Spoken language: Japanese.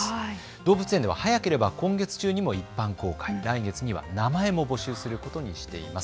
動物園では早ければ今月中にも一般公開、来月には名前も募集することにしています。